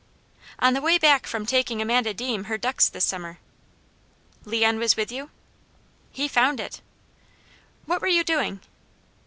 "On the way back from taking Amanda Deam her ducks this summer." "Leon was with you?" "He found it." "What were you doing?"